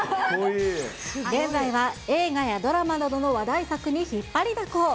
現在は映画やドラマなどの話題作に引っ張りだこ。